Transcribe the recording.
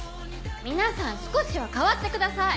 皆さん少しは変わってください！